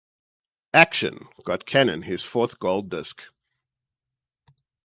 "Action" got Cannon his fourth gold disc.